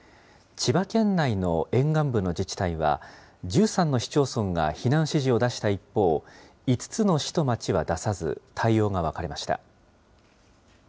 千葉県内の沿岸部の自治体は、１３の市町村が避難指示を出した一方、５つの市と町は出さず、対応が分かれました。